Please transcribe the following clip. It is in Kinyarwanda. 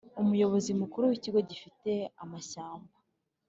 Umuyobozi Mukuru w Ikigo gifite amashyamba